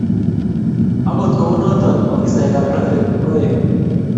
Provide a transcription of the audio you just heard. Akut kou notok, ofisaekab traffic koek.